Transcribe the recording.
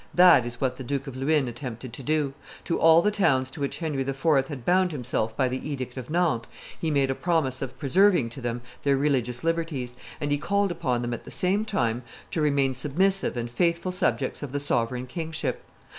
That is what the Duke of Luynes attempted to do; to all the towns to which Henry IV. had bound himself by the edict of Nantes, he made a promise of preserving to them their religious liberties, and he called upon them at the same time to remain submissive and faithful subjects of the sovereign kingship.